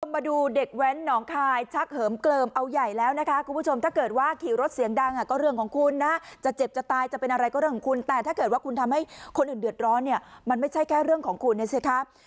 มาดูเด็กแว้นหนองคายชักเหิมเกลิมเอาใหญ่แล้วนะคะคุณผู้ชมถ้าเกิดว่าขี่รถเสียงดังก็เรื่องของคุณนะจะเจ็บจะตายจะเป็นอะไรก็เรื่องของคุณแต่ถ้าเกิดว่าคุณทำให้คนอื่นเดือดร้อนเนี่ยมันไม่ใช่แค่เรื่องของคุณเนี่ยสิครับ